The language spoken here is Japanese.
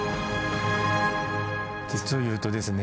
実を言うとですね